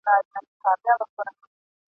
د کور غل د لستوڼي مار وي !.